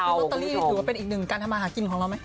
ลอตเตอรี่นี่ถือว่าเป็นอีกหนึ่งการทำมาหากินของเราไหมค